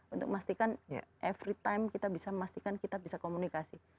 untuk memastikan every time kita bisa memastikan kita bisa komunikasi